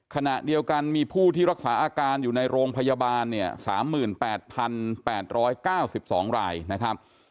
ขณะเดียวกันมีผู้ที่รักษาอาการอยู่ในโรงพยาบาลเนี่ย๓๘๘๙๒รายนะครับ